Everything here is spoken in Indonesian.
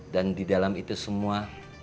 dan di dalam itu semua